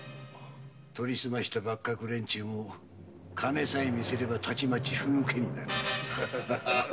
取り澄ました幕閣連中も金さえ見せればたちまちふぬけになる。